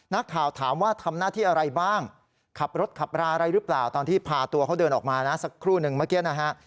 นักข่าวถามว่าทำหน้าที่อะไรบ้างขับรถขับราอะไรหรือเปล่าตอนที่พาตัวเขาเดินออกมานะสักครู่หนึ่งเมื่อกี้นะฮะ